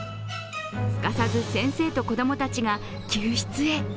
すかさず先生と子供たちが救出へ。